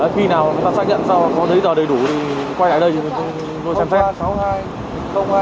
khi nào chúng ta xác nhận có giấy tờ đầy đủ thì quay lại đây vô chăm xét